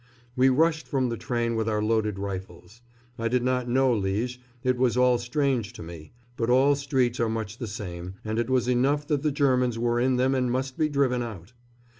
We rushed from the train with our loaded rifles. I did not know Liège. It was all strange to me; but all streets are much the same, and it was enough that the Germans were in them and must be driven out.